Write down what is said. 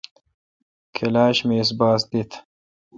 کلاش می اس باس دیت۔